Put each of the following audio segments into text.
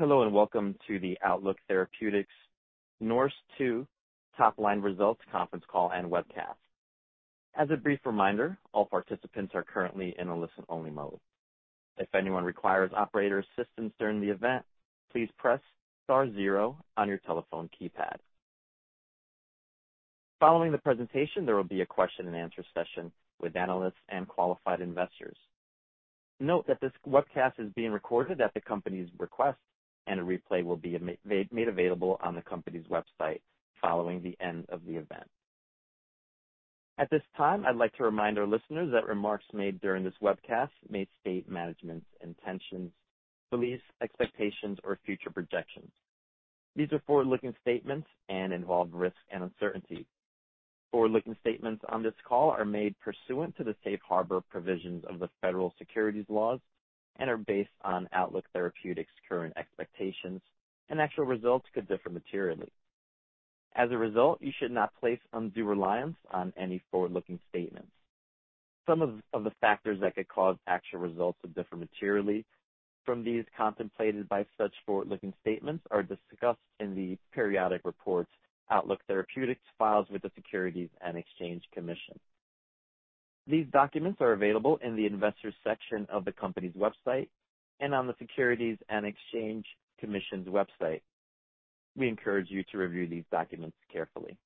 Hello, welcome to the Outlook Therapeutics NORSE TWO Top Line Results Conference Call and Webcast. As a brief reminder, all participants are currently in a listen-only mode. If anyone requires operator assistance during the event, please press star zero on your telephone keypad. Following the presentation, there will be a question-and-answer session with analysts and qualified investors. Note that this webcast is being recorded at the company's request, and a replay will be made available on the company's website following the end of the event. At this time, I'd like to remind our listeners that remarks made during this webcast may state management's intentions, beliefs, expectations, or future projections. These are forward-looking statements and involve risk and uncertainty. Forward-looking statements on this call are made pursuant to the safe harbor provisions of the Federal Securities Laws and are based on Outlook Therapeutics' current expectations, and actual results could differ materially. As a result, you should not place undue reliance on any forward-looking statements. Some of the factors that could cause actual results to differ materially from these contemplated by such forward-looking statements are discussed in the periodic reports Outlook Therapeutics files with the Securities and Exchange Commission. These documents are available in the investors section of the company's website and on the Securities and Exchange Commission's website. We encourage you to review these documents carefully.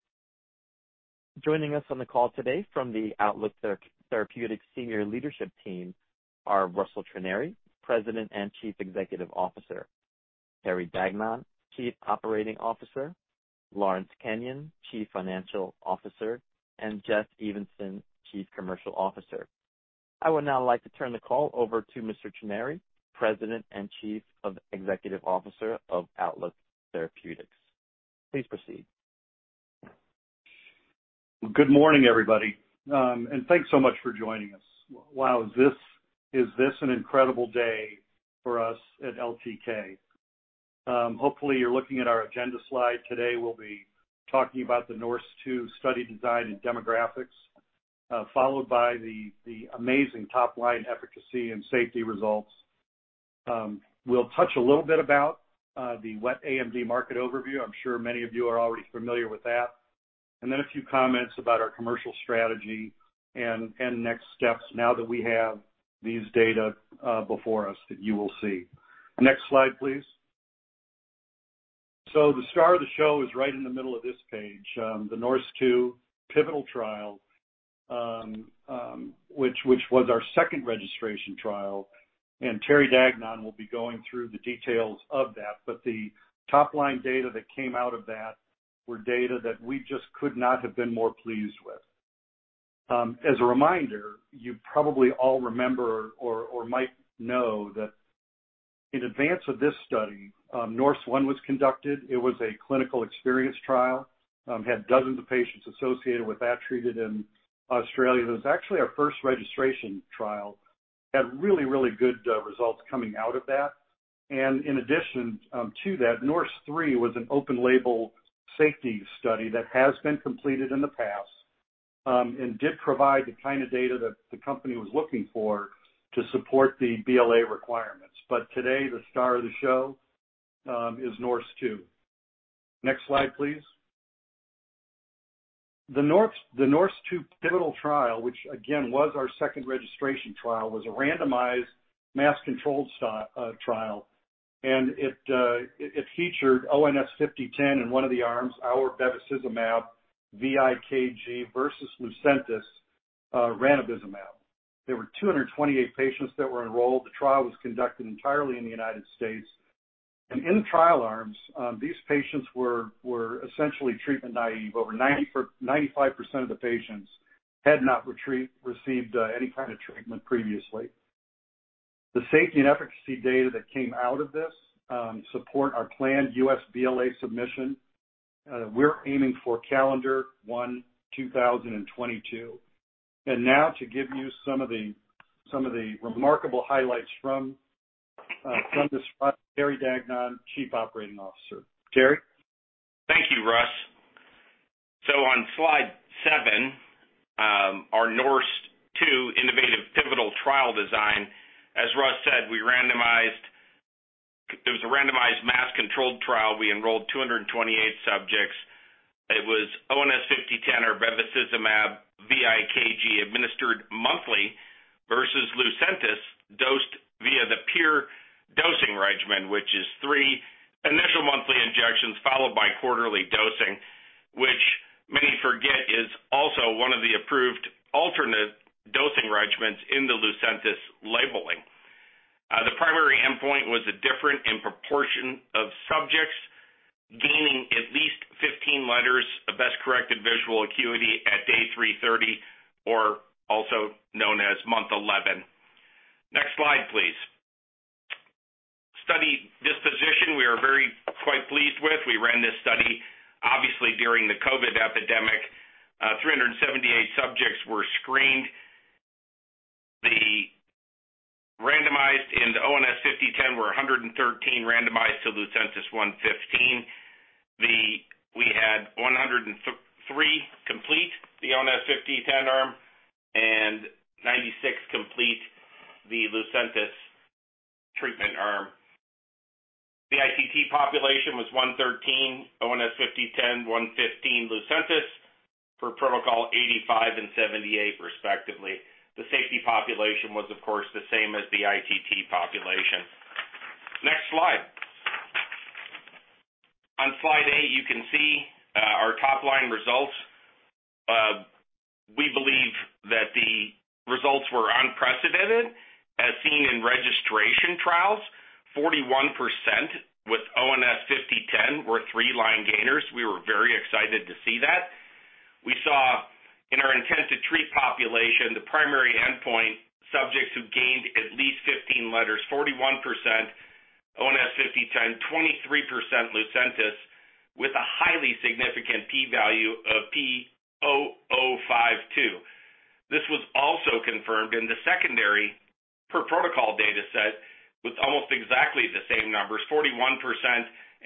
Joining us on the call today from the Outlook Therapeutics senior leadership team are Russell Trenary, President and Chief Executive Officer; Terry Dagnon, Chief Operating Officer; Lawrence Kenyon, Chief Financial Officer; and Jeff Evanson, Chief Commercial Officer. I would now like to turn the call over to Mr. Trenary, President and Chief Executive Officer of Outlook Therapeutics. Please proceed. Good morning, everybody. Thanks so much for joining us. Wow, is this an incredible day for us at OTLK. Hopefully, you're looking at our agenda slide. Today, we'll be talking about the NORSE TWO study design and demographics, followed by the amazing top-line efficacy and safety results. We'll touch a little bit about the wet AMD market overview. I'm sure many of you are already familiar with that. Then a few comments about our commercial strategy and next steps now that we have these data before us that you will see. Next slide, please. The star of the show is right in the middle of this page. The NORSE TWO pivotal trial, which was our second registration trial, and Terry Dagnon will be going through the details of that, but the top-line data that came out of that were data that we just could not have been more pleased with. As a reminder, you probably all remember or might know that in advance of this study, NORSE ONE was conducted. It was a clinical experience trial. Had dozens of patients associated with that treated in Australia. That was actually our first registration trial. Had really good results coming out of that. In addition to that, NORSE THREE was an open-label safety study that has been completed in the past and did provide the kind of data that the company was looking for to support the BLA requirements. Today, the star of the show is NORSE TWO. Next slide, please. The NORSE TWO pivotal trial, which again, was our second registration trial, was a randomized, mask-controlled trial, and it featured ONS-5010 in one of the arms, our bevacizumab-vikg versus Lucentis (ranibizumab). There were 228 patients that were enrolled. The trial was conducted entirely in the United States In the trial arms, these patients were essentially treatment naive. Over 95% of the patients had not received any kind of treatment previously. The safety and efficacy data that came out of this support our planned U.S. BLA submission. We're aiming for calendar one 2022. Now to give you some of the remarkable highlights from this front, Terry Dagnon, Chief Operating Officer. Terry? Thank you, Russ. On slide seven, our NORSE TWO innovative pivotal trial design. As Russ said, it was a randomized, mask-controlled trial. We enrolled 228 subjects. It was ONS-5010 or bevacizumab-vikg administered monthly versus Lucentis dosed via the PIER dosing regimen, which is three initial monthly injections followed by quarterly dosing, which many forget is also one of the approved alternate dosing regimens in the Lucentis labeling. The primary endpoint was a different in proportion of subjects gaining at least 15 letters of best-corrected visual acuity at day 330 or also known as month 11. Next slide, please. Study disposition, we are very quite pleased with. We ran this study, obviously, during the COVID epidemic. 378 subjects were screened. The randomized in the ONS-5010 were 113 randomized to Lucentis 115. The ONS-5010 arm and 96 complete the Lucentis treatment arm. The ITT population was 113 ONS-5010, 115 Lucentis for protocol 85 and 78 respectively. The safety population was, of course, the same as the ITT population. Next slide. On slide eight, you can see our top-line results. We believe that the results were unprecedented as seen in registration trials, 41% with ONS-5010 were three-line gainers. We were very excited to see that. We saw in our intent to treat population, the primary endpoint subjects who gained at least 15 letters, 41% ONS-5010, 23% Lucentis with a highly significant P value of 0.0052. This was also confirmed in the secondary per protocol data set with almost exactly the same numbers, 41%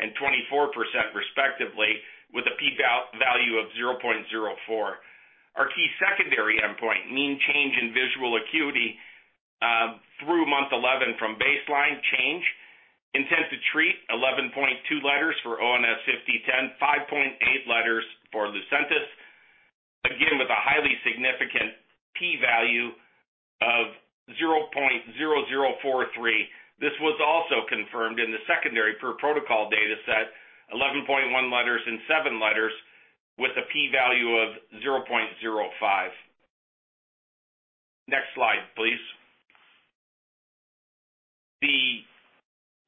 and 24% respectively, with a P value of 0.04. Our key secondary endpoint, mean change in visual acuity, through month 11 from baseline change. Intent to treat 11.2 letters for ONS-5010, 5.8 letters for Lucentis, again with a highly significant P value of 0.0043. This was also confirmed in the secondary per protocol data set, 11.1 letters and seven letters with a P value of 0.05. Next slide, please. The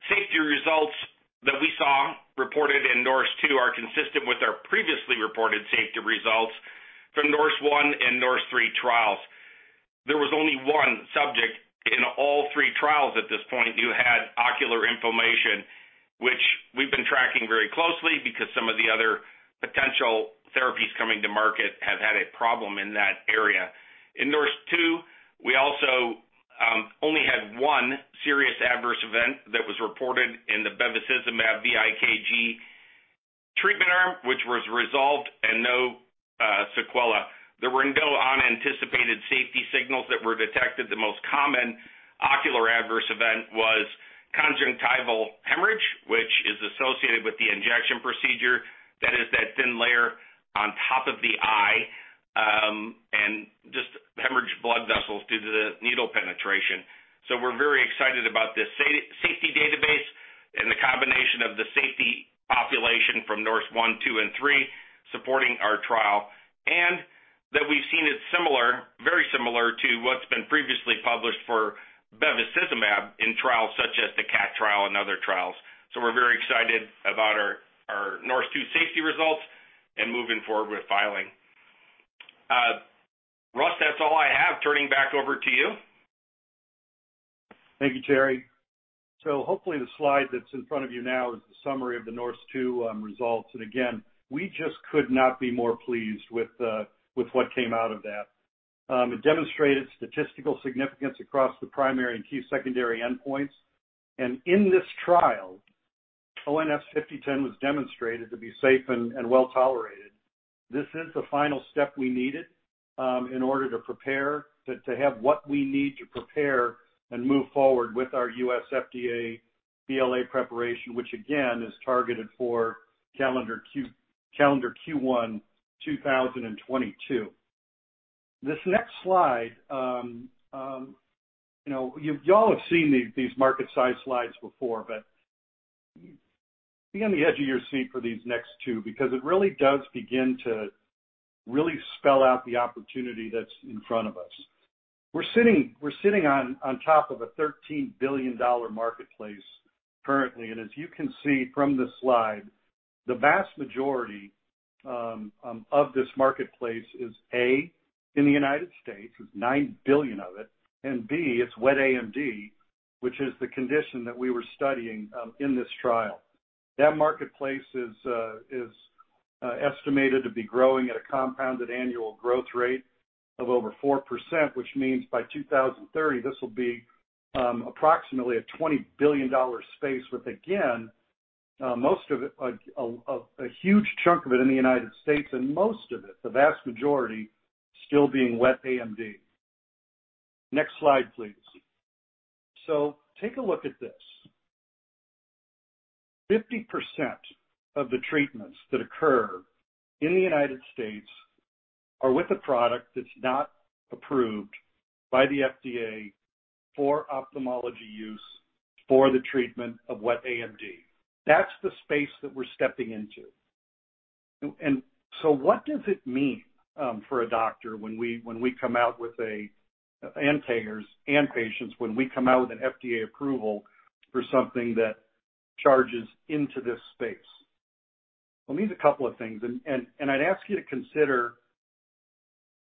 safety results that we saw reported in NORSE TWO are consistent with our previously reported safety results from NORSE ONE and NORSE THREE trials. There was only one subject in all three trials at this point who had ocular inflammation, which we've been tracking very closely because some of the other potential therapies coming to market have had a problem in that area. In NORSE TWO, we also only had one serious adverse event that was reported in the bevacizumab-vikg treatment arm, which was resolved and no sequela. There were no unanticipated safety signals that were detected. The most common ocular adverse event was conjunctival hemorrhage, which is associated with the injection procedure that is that thin layer on top of the eye, and just hemorrhaged blood vessels due to the needle penetration. We're very excited about this safety database and the combination of the safety population from NORSE ONE, TWO, and THREE supporting our trial, and that we've seen it very similar to what's been previously published for bevacizumab in trials such as the CATT trial and other trials. We're very excited about our NORSE TWO safety results and moving forward with filing. Russ, that's all I have. Turning back over to you. Thank you, Terry. Hopefully the slide that's in front of you now is the summary of the NORSE TWO results. Again, we just could not be more pleased with what came out of that. It demonstrated statistical significance across the primary and key secondary endpoints. In this trial, ONS-5010 was demonstrated to be safe and well-tolerated. This is the final step we needed in order to have what we need to prepare and move forward with our U.S. FDA BLA preparation, which again, is targeted for calendar Q1 2022. This next slide. You all have seen these market size slides before, be on the edge of your seat for these next two, because it really does begin to spell out the opportunity that's in front of us. We're sitting on top of a $13 billion marketplace currently. As you can see from the slide, the vast majority of this marketplace is, A, in the United States, with $9 billion of it, and B, it's wet AMD, which is the condition that we were studying in this trial. That marketplace is estimated to be growing at a compounded annual growth rate of over 4%. By 2030, this will be approximately a $20 billion space with, again, a huge chunk of it in the United States, and most of it, the vast majority, still being wet AMD. Next slide, please. Take a look at this. 50% of the treatments that occur in the United States are with a product that's not approved by the FDA for ophthalmology use for the treatment of wet AMD. That's the space that we're stepping into. What does it mean for a doctor and patients when we come out with an FDA approval for something that charges into this space? Well, it means a couple of things. I'd ask you to consider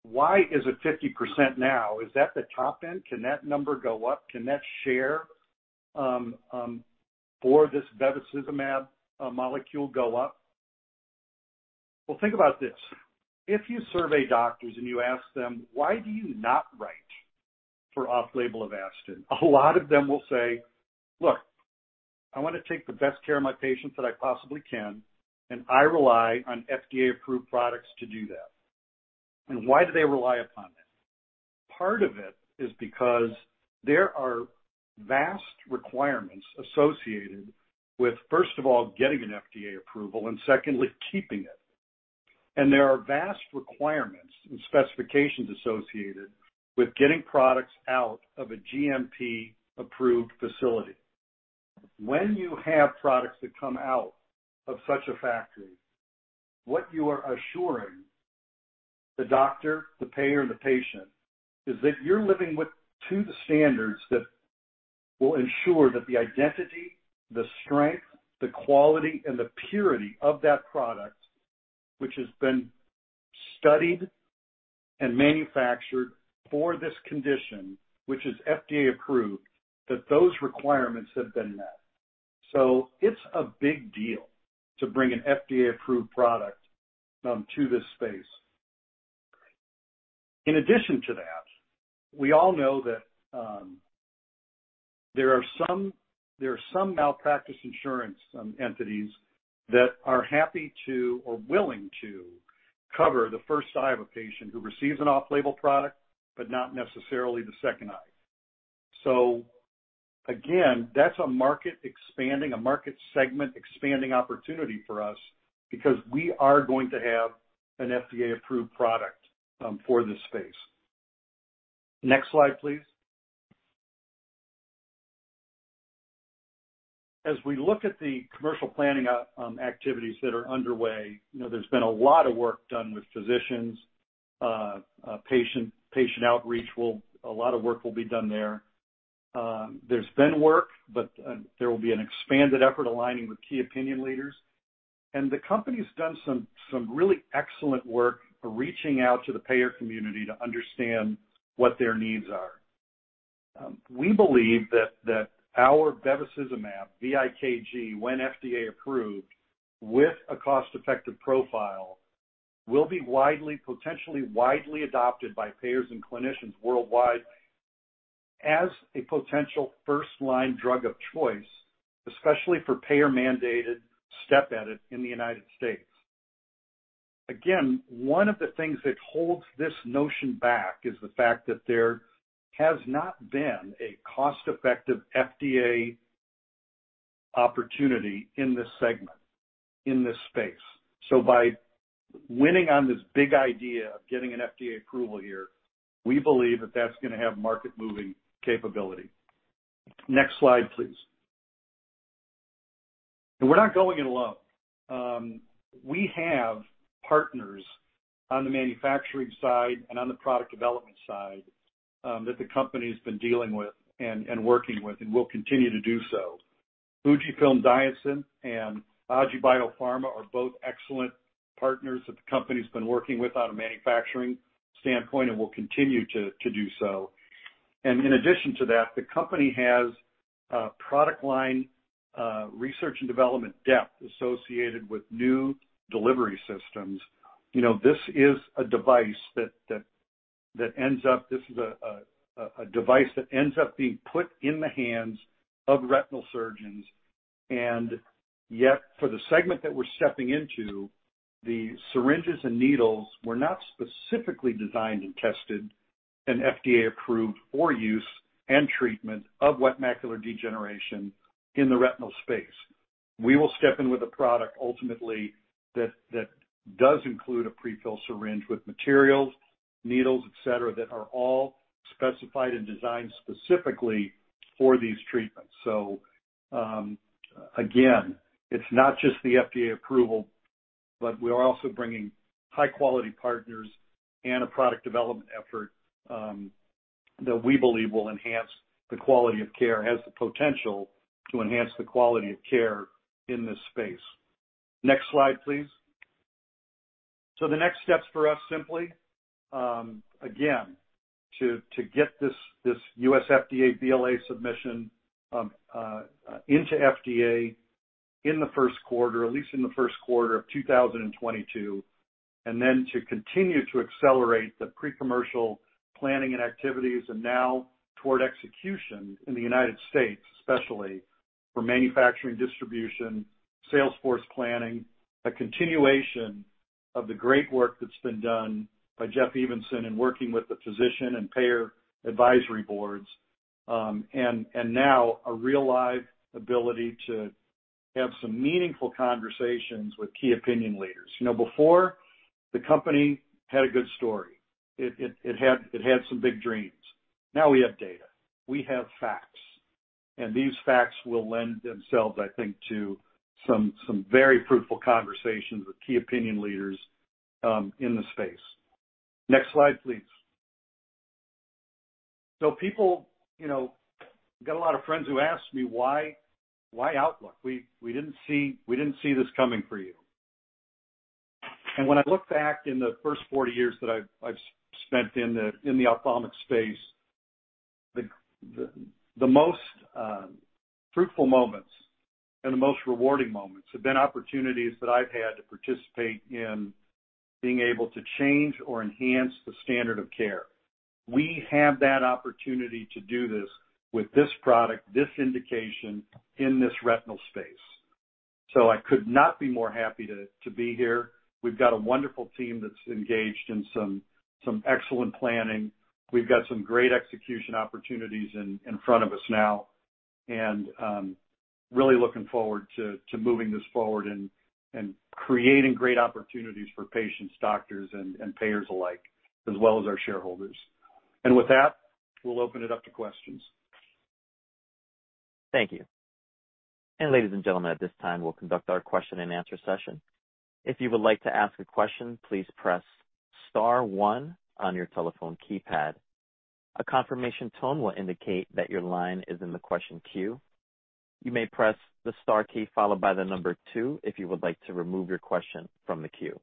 why is it 50% now? Is that the top end? Can that number go up? Can that share for this bevacizumab molecule go up? Well, think about this. If you survey doctors and you ask them, why do you not write for off-label Avastin. A lot of them will say, "Look, I want to take the best care of my patients that I possibly can, and I rely on FDA-approved products to do that." Why do they rely upon that? Part of it is because there are vast requirements associated with, first of all, getting an FDA approval, and secondly, keeping it. There are vast requirements and specifications associated with getting products out of a GMP-approved facility. When you have products that come out of such a factory, what you are assuring the doctor, the payer, and the patient is that you're living to the standards that will ensure that the identity, the strength, the quality, and the purity of that product, which has been studied and manufactured for this condition, which is FDA-approved, that those requirements have been met. It's a big deal to bring an FDA-approved product to this space. In addition to that, we all know that there are some malpractice insurance entities that are happy to or willing to cover the first eye of a patient who receives an off-label product, but not necessarily the second eye. Again, that's a market segment expanding opportunity for us because we are going to have an FDA-approved product for this space. Next slide, please. As we look at the commercial planning activities that are underway, there's been a lot of work done with physicians. Patient outreach, a lot of work will be done there. There's been work, but there will be an expanded effort aligning with key opinion leaders. The company's done some really excellent work reaching out to the payer community to understand what their needs are. We believe that our bevacizumab-vikg, when FDA-approved with a cost-effective profile, will be potentially widely adopted by payers and clinicians worldwide as a potential first-line drug of choice, especially for payer-mandated step edit in the United States. One of the things that holds this notion back is the fact that there has not been a cost-effective FDA opportunity in this segment, in this space. By winning on this big idea of getting an FDA approval here, we believe that that's going to have market-moving capability. Next slide, please. We're not going it alone. We have partners on the manufacturing side and on the product development side that the company's been dealing with and working with and will continue to do so. Fujifilm Diosynth and Ajinomoto Bio-Pharma Services are both excellent partners that the company's been working with on a manufacturing standpoint and will continue to do so. In addition to that, the company has product line research and development depth associated with new delivery systems. This is a device that ends up being put in the hands of retinal surgeons. Yet, for the segment that we're stepping into, the syringes and needles were not specifically designed and tested and FDA-approved for use and treatment of wet macular degeneration in the retinal space. We will step in with a product ultimately that does include a prefill syringe with materials, needles, et cetera, that are all specified and designed specifically for these treatments. Again, it's not just the FDA approval, but we are also bringing high-quality partners and a product development effort that we believe will enhance the quality of care, has the potential to enhance the quality of care in this space. Next slide, please. The next steps for us simply, again, to get this U.S. FDA BLA submission into FDA in the first quarter, at least in the first quarter of 2022. To continue to accelerate the pre-commercial planning and activities, now toward execution in the United States, especially for manufacturing, distribution, sales force planning, a continuation of the great work that's been done by Jeff Evanson in working with the physician and payer advisory boards. Now a real live ability to have some meaningful conversations with key opinion leaders. Before, the company had a good story. It had some big dreams. Now we have data. We have facts. These facts will lend themselves, I think, to some very fruitful conversations with key opinion leaders in the space. Next slide, please. People, got a lot of friends who ask me, "Why Outlook? We didn't see this coming for you. When I look back in the first 40 years that I've spent in the ophthalmic space, the most fruitful moments and the most rewarding moments have been opportunities that I've had to participate in being able to change or enhance the standard of care. We have that opportunity to do this with this product, this indication in this retinal space. I could not be more happy to be here. We've got a wonderful team that's engaged in some excellent planning. We've got some great execution opportunities in front of us now and really looking forward to moving this forward and creating great opportunities for patients, doctors, and payers alike, as well as our shareholders. With that, we'll open it up to questions. Thank you. Ladies and gentlemen, at this time, we'll conduct our question and answer session. If you would like to ask a question, please press star one on your telephone keypad. A confirmation tone will indicate that your line is in the question queue. You may press the star key followed by the number two if you would like to remove your question from the queue.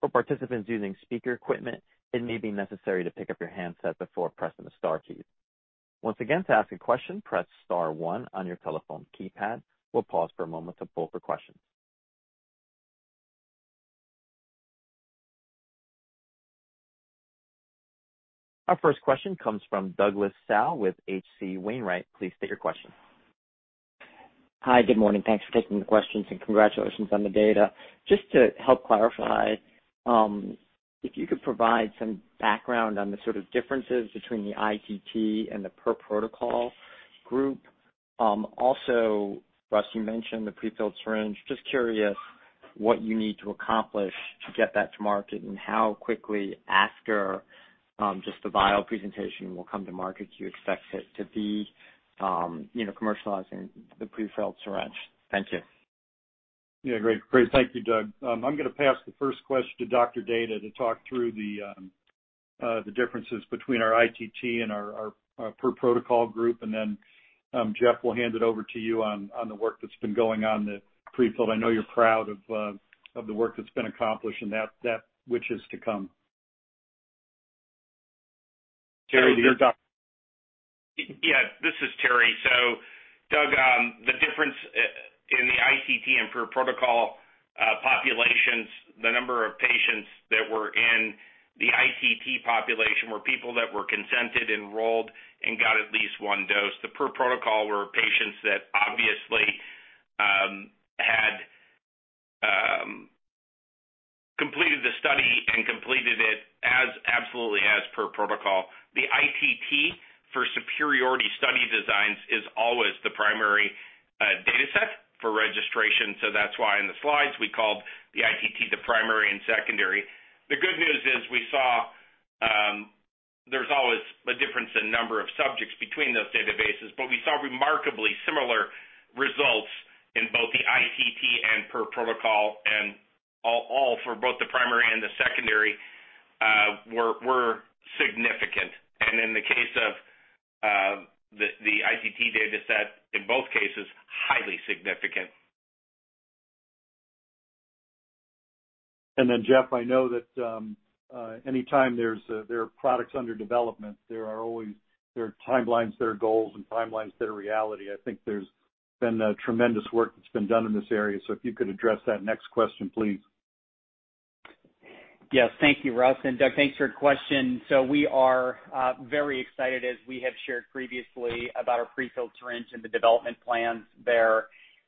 For participants using speaker equipment, it may be necessary to pick up your handset before pressing the star key. Once again, to ask a question, press star one on your telephone keypad. We'll pause for a moment to poll for questions. Our first question comes from Douglas Tsao with H.C. Wainwright. Please state your question. Hi. Good morning. Thanks for taking the questions, and congratulations on the data. Just to help clarify, if you could provide some background on the sort of differences between the ITT and the per-protocol group. Also, Russ, you mentioned the pre-filled syringe. Just curious what you need to accomplish to get that to market and how quickly after just the vial presentation will come to market do you expect it to be commercializing the pre-filled syringe? Thank you. Yeah. Great. Thank you, Doug. I'm going to pass the first question to Dr. Data to talk through the differences between our ITT and our per-protocol group. Jeff, we'll hand it over to you on the work that's been going on the pre-filled. I know you're proud of the work that's been accomplished and that which is to come. Terry, you're up. Yeah. This is Terry. Doug, the difference in the ITT and per-protocol populations, the number of patients that were in the ITT population were people that were consented, enrolled, and got at least one dose. The per-protocol were patients that obviously had completed the study and completed it as absolutely as per-protocol. The ITT for superiority study designs is always the primary dataset for registration. That's why in the slides we called the ITT the primary and secondary. The good news is we saw there's always a difference in number of subjects between those databases, but we saw remarkably similar results in both the ITT and per-protocol, and all for both the primary and the secondary were significant. In the case of the ITT dataset, in both cases, highly significant. Jeff, I know that anytime there are products under development, there are timelines that are goals and timelines that are reality. I think there's been a tremendous work that's been done in this area. If you could address that next question, please. Yes. Thank you, Russ, and Doug, thanks for your question. We are very excited, as we have shared previously, about our pre-filled syringe and the development plans there.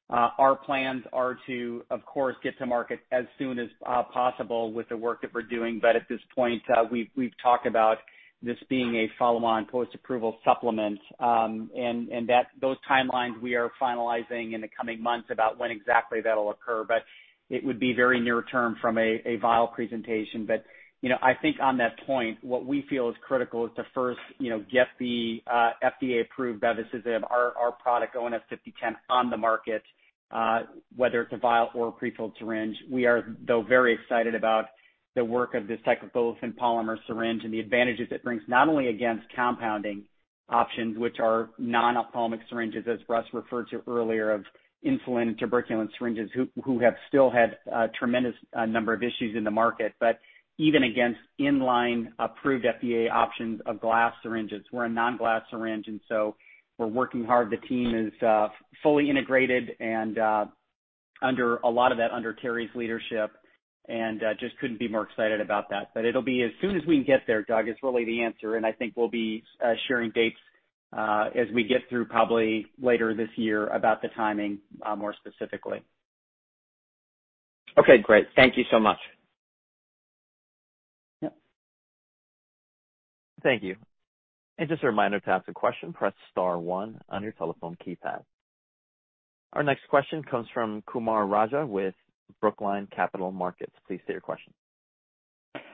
Our plans are to, of course, get to market as soon as possible with the work that we're doing. At this point, we've talked about this being a follow-on post-approval supplement. Those timelines we are finalizing in the coming months about when exactly that'll occur. It would be very near term from a vial presentation. I think on that point, what we feel is critical is to first get the FDA-approved bevacizumab, our product, ONS-5010 on the market, whether it's a vial or a pre-filled syringe. We are, though, very excited about the work of the cyclo-olefin polymer syringe and the advantages it brings, not only against compounding options, which are non-ophthalmic syringes, as Russ referred to earlier, of insulin and tuberculin syringes, who have still had a tremendous number of issues in the market. Even against in-line approved FDA options of glass syringes. We're a non-glass syringe, we're working hard. The team is fully integrated and a lot of that under Terry's leadership, just couldn't be more excited about that. It'll be as soon as we can get there, Doug, is really the answer, I think we'll be sharing dates as we get through probably later this year about the timing more specifically. Okay, great. Thank you so much. Yep. Thank you. Just a reminder, to ask a question, press star one on your telephone keypad. Our next question comes from Kumar Raja with Brookline Capital Markets. Please state your question.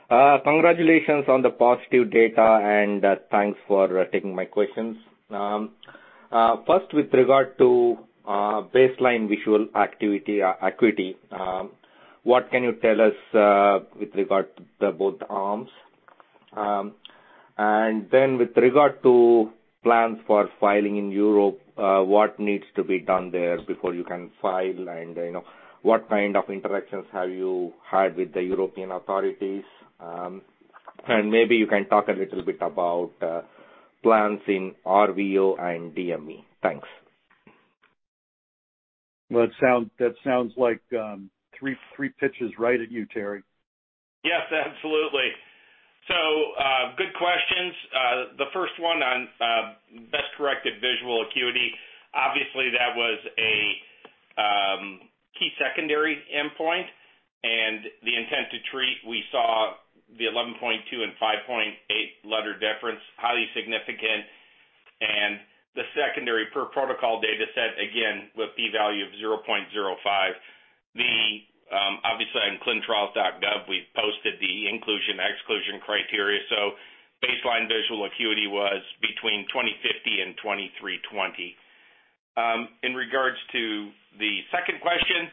Congratulations on the positive data, and thanks for taking my questions. First, with regard to baseline visual acuity, what can you tell us with regard to both arms? Then with regard to plans for filing in Europe, what needs to be done there before you can file, and what kind of interactions have you had with the European authorities? Maybe you can talk a little bit about plans in RVO and DME. Thanks. Well, that sounds like three pitches right at you, Terry. Yes, absolutely. Good questions. The first one on best-corrected visual acuity, obviously that was a key secondary endpoint. The intent to treat, we saw the 11.2 and 5.8 letter difference, highly significant. The secondary per-protocol data set, again, with p value of 0.05. Obviously, on clinicaltrials.gov, we've posted the inclusion/exclusion criteria, so baseline visual acuity was between 20/50 and 23/20. In regards to the second question,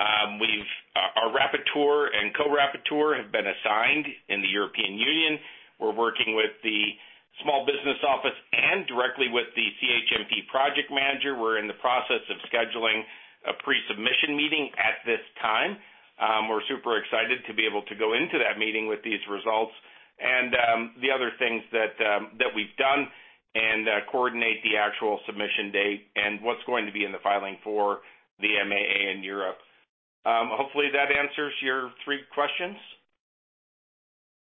our rapporteur and co-rapporteur have been assigned in the European Union. We're working with the small business office and directly with the CHMP project manager. We're in the process of scheduling a pre-submission meeting at this time. We're super excited to be able to go into that meeting with these results and the other things that we've done and coordinate the actual submission date and what's going to be in the filing for the MAA in Europe. Hopefully, that answers your three questions.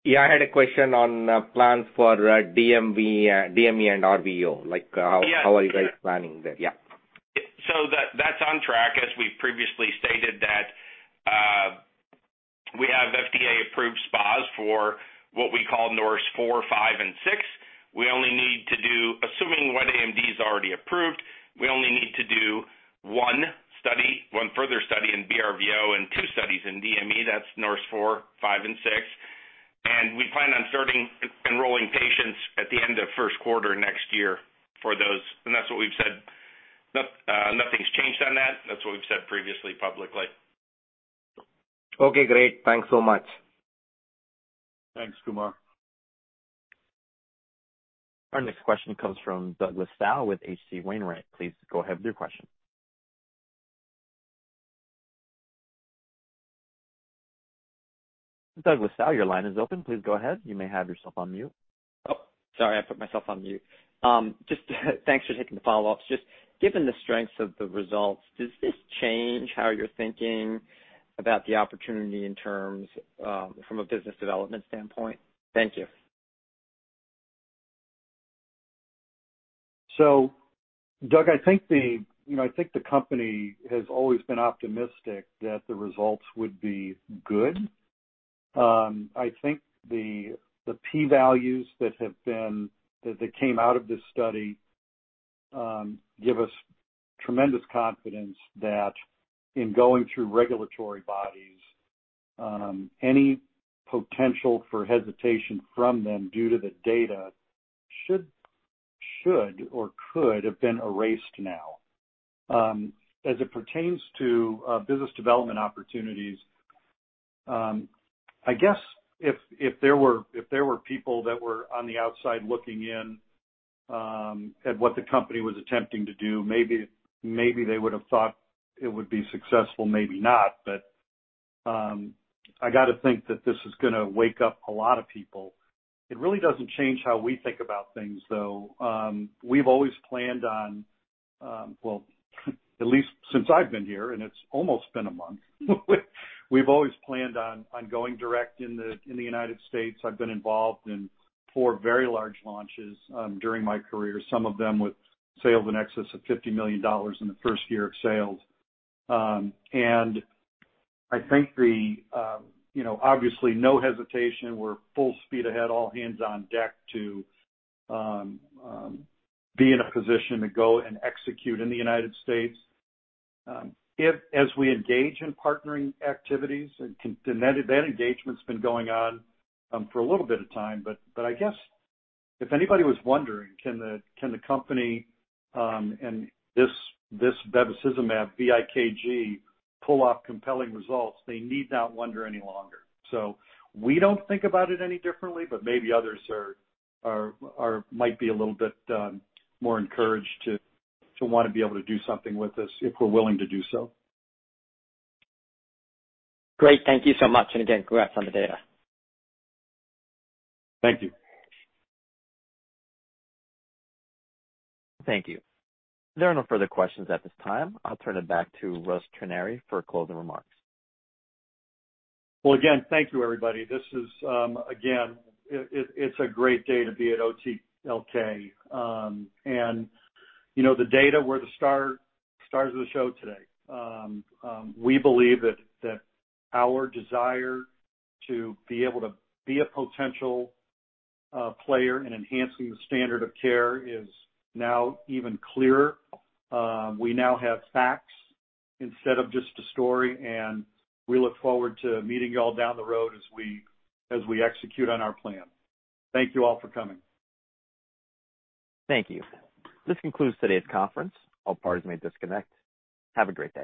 Yeah, I had a question on plans for DME and RVO. Yes. How are you guys planning that? Yeah. That's on track. As we've previously stated that we have FDA-approved SPAs for what we call NORSE FOUR, FIVE, and SIX. Assuming wet AMD's already approved, we only need to do one further study in BRVO and two studies in DME, that's NORSE FOUR, FIVE, and SIX. We plan on enrolling patients at the end of first quarter next year for those. That's what we've said. Nothing's changed on that. That's what we've said previously publicly. Okay, great. Thanks so much. Thanks, Kumar. Our next question comes from Douglas Tsao with H.C. Wainwright. Please go ahead with your question. Douglas Tsao, your line is open. Please go ahead. You may have yourself on mute. Oh, sorry, I put myself on mute. Thanks for taking the follow-ups. Just given the strengths of the results, does this change how you're thinking about the opportunity in terms from a business development standpoint? Thank you. Doug, I think the company has always been optimistic that the results would be good. I think the p values that came out of this study give us tremendous confidence that in going through regulatory bodies, any potential for hesitation from them due to the data should or could have been erased now. As it pertains to business development opportunities, I guess if there were people that were on the outside looking in at what the company was attempting to do, maybe they would've thought it would be successful, maybe not, but I got to think that this is going to wake up a lot of people. It really doesn't change how we think about things, though. We've always planned on, well, at least since I've been here, and it's almost been a month, we've always planned on going direct in the United States. I've been involved in four very large launches during my career, some of them with sales in excess of $50 million in the first year of sales. I think obviously, no hesitation, we're full speed ahead, all hands on deck to be in a position to go and execute in the United States As we engage in partnering activities, that engagement's been going on for a little bit of time, I guess if anybody was wondering, can the company and this bevacizumab-vikg pull off compelling results? They need not wonder any longer. We don't think about it any differently, maybe others might be a little bit more encouraged to want to be able to do something with us if we're willing to do so. Great. Thank you so much. Again, congrats on the data. Thank you. Thank you. There are no further questions at this time. I'll turn it back to Russ Trenary for closing remarks. Again, thank you everybody. This is, again, it's a great day to be at OTLK. The data were the stars of the show today. We believe that our desire to be able to be a potential player in enhancing the standard of care is now even clearer. We now have facts instead of just a story. We look forward to meeting you all down the road as we execute on our plan. Thank you all for coming. Thank you. This concludes today's conference. All parties may disconnect. Have a great day.